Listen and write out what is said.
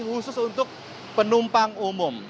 khusus untuk penumpang umum